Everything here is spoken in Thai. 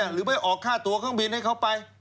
หรือไปออกค่าตัวเครื่องบินให้เขาไป